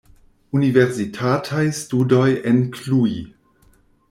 Universitataj studoj en Cluj.